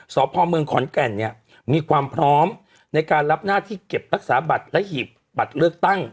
สพเมืองขอนแก่นเนี่ยมีความพร้อมในการรับหน้าที่เก็บรักษาบัตรและหีบบัตรเลือกตั้ง